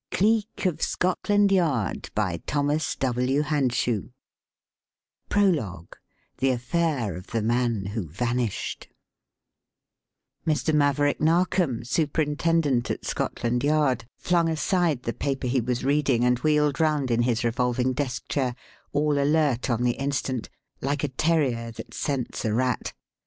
Cleek of Scotland Yard PROLOGUE The Affair of the Man Who Vanished Mr. Maverick Narkom, Superintendent at Scotland Yard, flung aside the paper he was reading and wheeled round in his revolving desk chair, all alert on the instant, like a terrier that scents a rat.